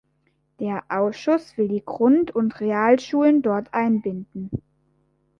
Der Ausschuss will die Grund- und Realschulen dort einbinden.